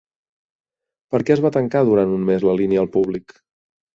Per què es va tancar durant un mes la línia al públic?